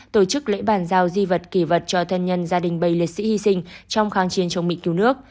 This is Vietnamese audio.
tổ chức lễ bàn giao di vật kỷ vật cho thân nhân gia đình bầy liệt sĩ hy sinh trong kháng chiến chống bị cứu nước